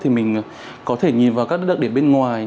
thì mình có thể nhìn vào các đặc điểm bên ngoài